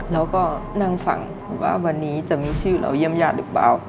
แล้วก็นั่งฟังว่าวันนี้จะมีชื่อเราเยี่ยมญาติหรือเปล่า